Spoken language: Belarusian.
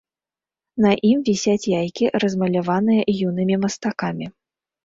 На ім вісяць яйкі, размаляваныя юнымі мастакамі.